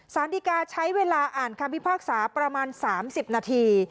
สารดีกาใช้เวลาอ่านคำพิพากษาประมาณ๓๐นาที